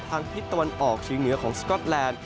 ทิศตะวันออกเชียงเหนือของสก๊อตแลนด์